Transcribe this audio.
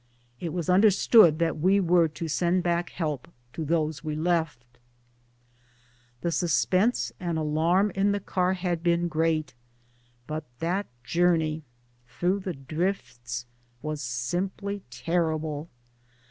It was understood that we were to send back help to those we left. The suspense and alarm in the car had been great, A AVJXTER'S JOURNEY ACROSS THE TLAINS. 259 l>ut that journey through the drifts was simply terrible.